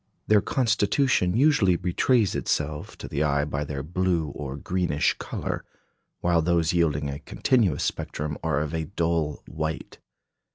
Their constitution usually betrays itself to the eye by their blue or greenish colour; while those yielding a continuous spectrum are of a dull white.